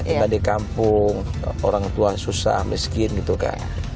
entah di kampung orang tua susah miskin gitu kak